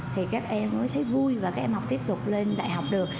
thì các em mới thấy vui và các em học tiếp tục lên đại học được